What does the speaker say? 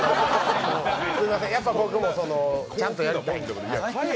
すいません、やっぱり僕もちゃんとやりたいということで。